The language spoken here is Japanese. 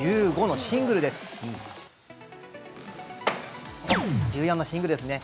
１４のシングルですね。